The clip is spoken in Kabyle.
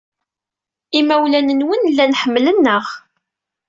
Imawlan-nwen llan ḥemmlen-aɣ.